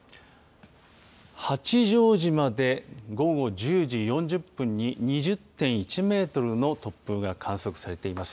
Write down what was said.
八丈島で午後１０時４０分に２０．１メートルの突風が観測されています。